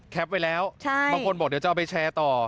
ไว้แล้วบางคนบอกเดี๋ยวจะเอาไปแชร์ต่อ